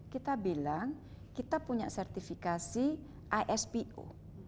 kita bilang kita punya sertifikasi ispo